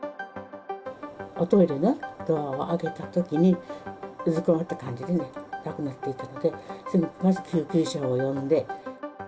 おトイレのドアを開けたときに、うずくまった感じで亡くなっていたので、まず救急車を呼んで。